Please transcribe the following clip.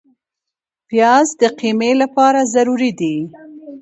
پیاز د قیمې لپاره ضروري دی